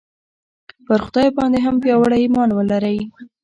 پر خدای باندې هم پیاوړی ایمان ولرئ